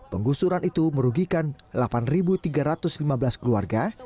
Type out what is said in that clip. penggusuran itu merugikan delapan tiga ratus lima belas keluarga